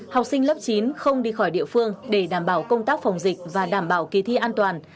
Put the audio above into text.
học sinh lớp chín không đi khỏi địa phương để đảm bảo công tác phòng dịch và đảm bảo kỳ thi an toàn